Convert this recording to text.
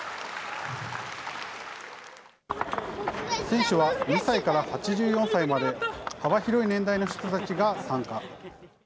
選手は２歳から８４歳まで、幅広い年代の人たちが参加。